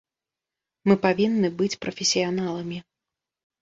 Мы павінны быць прафесіяналамі.